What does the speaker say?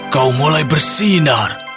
kau mulai bersinar